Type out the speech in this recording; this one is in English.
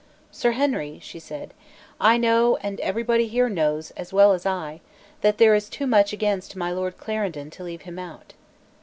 "Sir Henry," she said, "I know, and every body here knows as well as I, that there is too much against my Lord Clarendon to leave him out."